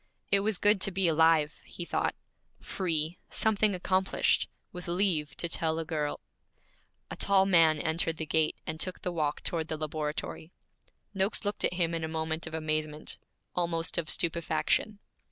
It was good to be alive, he thought, free, something accomplished, with leave to tell a girl A tall man entered the gate and took the walk toward the laboratory. Noakes looked at him in a moment of amazement, almost of stupefaction.